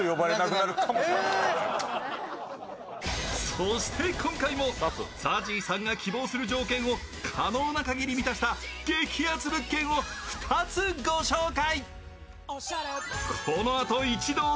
そして今回もＺＡＺＹさんが希望する条件を可能な限り満たした激アツ物件を２つご紹介。